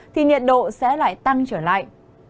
thì nhiệt độ sẽ lại tăng trở lại